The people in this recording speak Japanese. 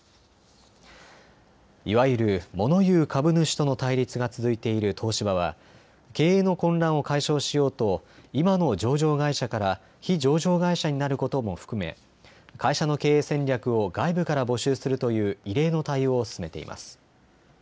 いわゆるモノ言う株主との対立が続いている東芝は経営の混乱を解消しようと今の上場会社から非上場会社になることも含め会社の経営戦略を外部から募集するという異例の対応を進めています。